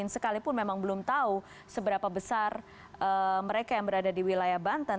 sekalipun memang belum tahu seberapa besar mereka yang berada di wilayah banten